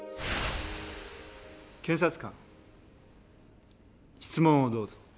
検察官質問をどうぞ。